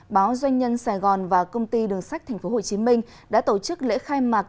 báo doanh nhân sài gòn và công ty đường sách tp hcm đã tổ chức lễ khai mạc